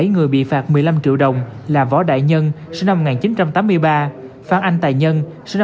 bảy người bị phạt một mươi năm triệu đồng là võ đại nhân phan anh tài nhân